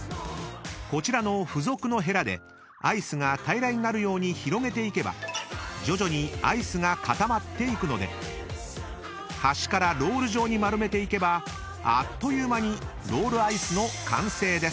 ［こちらの付属のヘラでアイスが平らになるように広げていけば徐々にアイスが固まっていくので端からロール状に丸めていけばあっという間に］